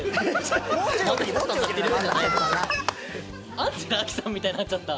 アンジェラ・アキさんみたいになっちゃった。